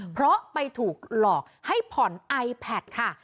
เพราะไปถูกหลอกให้ผ่อนไอแพทค่ะ